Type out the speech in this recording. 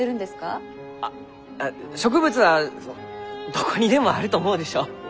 あ植物はどこにでもあると思うでしょ？